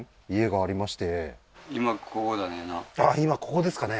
今ここですかね